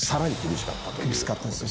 厳しかったです